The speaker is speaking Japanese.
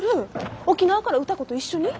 沖縄から歌子と一緒に？